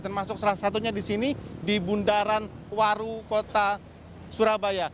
termasuk salah satunya di sini di bundaran waru kota surabaya